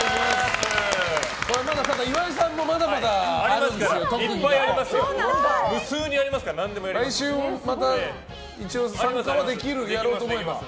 ただ岩井さんもまだまだ特技があるんですよ。